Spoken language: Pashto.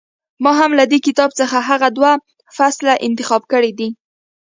ما هم له دې کتاب څخه هغه دوه فصله انتخاب کړي دي.